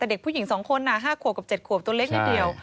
แต่เด็กผู้หญิง๒คน๕ขวบกับ๗ขวบตัวเล็กนิดเดียว